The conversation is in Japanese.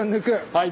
はい。